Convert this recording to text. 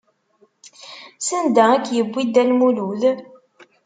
Sanda i k-yewwi Dda Lmulud?